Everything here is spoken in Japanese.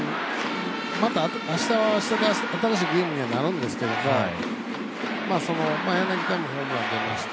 またあしたはあしたで、新しいゲームにはなるんですけど柳田もホームラン出ました。